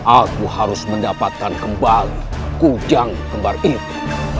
aku harus mendapatkan kembali kujang kembar itu